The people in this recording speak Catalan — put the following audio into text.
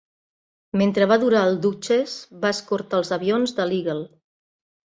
Mentre va durar, el "Duchess" va escortar els avions de l'"Eagle".